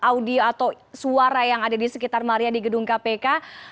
audio atau suara yang ada di sekitar maria di gedung kpk